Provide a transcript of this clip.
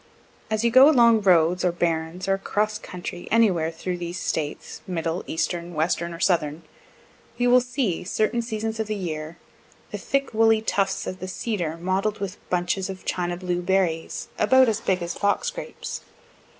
As you go along roads, or barrens, or across country, anywhere through these States, middle, eastern, western, or southern, you will see, certain seasons of the year, the thick woolly tufts of the cedar mottled with bunches of china blue berries, about as big as fox grapes.